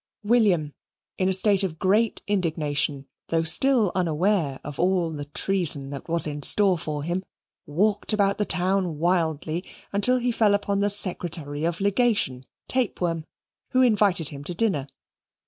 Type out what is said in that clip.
William, in a state of great indignation, though still unaware of all the treason that was in store for him, walked about the town wildly until he fell upon the Secretary of Legation, Tapeworm, who invited him to dinner.